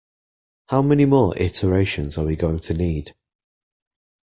How many more iterations are we going to need?